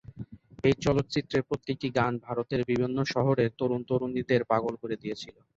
এই চলচ্চিত্রের প্রত্যেকটি গান ভারতের বিভিন্ন শহরের তরুণ-তরুণীদের পাগল করে দিয়েছিলো।